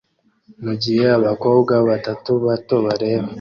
mugihe abakobwa batatu bato bareba